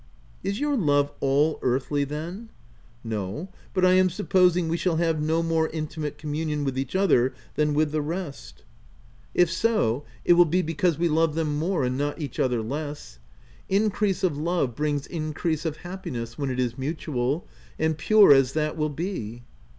" Is your love all earthly then V* " No, but I am supposing we shall have no more intimate communion with each other, than with the rest." 152 THE TENANT " If so, it will be because we love them more and not each other less. Increase of love brings increase of happiness, when it is mutual, and pure as that will be."